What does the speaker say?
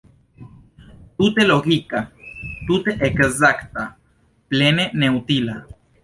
Tute logika, tute ekzakta, plene neutila.